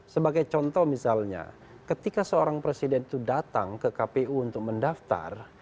sebagai contoh misalnya ketika seorang presiden itu datang ke kpu untuk mendaftar